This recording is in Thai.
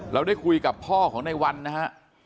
เราได้คุยกับพ่อของในวันนะฮะ